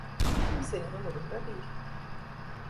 Kimsenin umurunda değil.